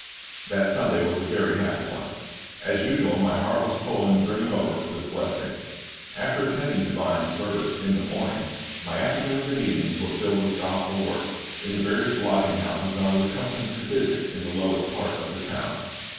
That Sunday was a very happy one. As usual my heart was full and brimming over with blessing. After attending Divine service in the morning, my afternoons and evenings were filled with Gospel work, in the various lodging houses I was accustomed to visit in the lowest part of the town.